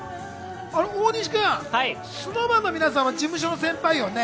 大西君ＳｎｏｗＭａｎの皆さんは事務所の先輩よね。